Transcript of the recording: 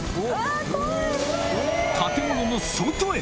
建物の外へ！